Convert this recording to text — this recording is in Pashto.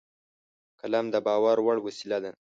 قلم د باور وړ وسیله ده